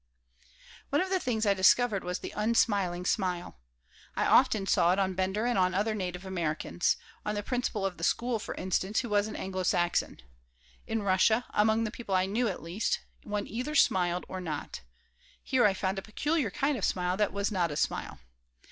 One of the things I discovered was the unsmiling smile. I often saw it on Bender and on other native Americans on the principal of the school, for instance, who was an Anglo Saxon. In Russia, among the people I knew, at least, one either smiled or not. here I found a peculiar kind of smile that was not a smile.